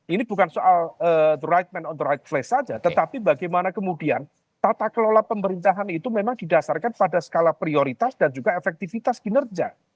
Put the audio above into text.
ini bukan soal the right man on the rights saja tetapi bagaimana kemudian tata kelola pemerintahan itu memang didasarkan pada skala prioritas dan juga efektivitas kinerja